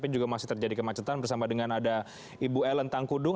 juga masih terjadi kemacetan bersama dengan ada ibu ellen tangkudung